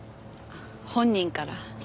本人から。